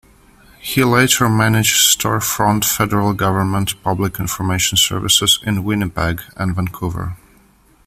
He later managed store-front Federal government public information services in Winnipeg and Vancouver.